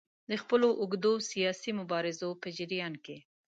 د خپلو اوږدو سیاسي مبارزو په جریان کې.